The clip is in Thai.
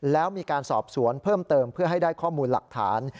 แล้วมีการสอบสวนเพิ่มเติมเพื่อให้ได้ข้อมูลหลักฐาน